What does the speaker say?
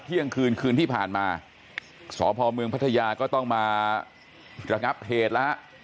เที่ยงคืนคืนที่ผ่านมาสพเมืองพัทยาก็ต้องมาระงับเหตุแล้วฮะ